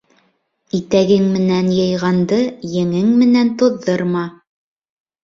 Итәгең менән йыйғанды еңең менән туҙҙырма.